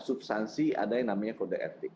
substansi ada yang namanya kode etik